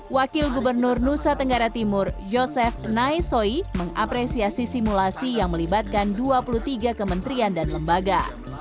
wakil gubernur nusa tenggara timur joseph naisoi mengapresiasi simulasi yang melibatkan dua puluh tiga kementerian dan lembaga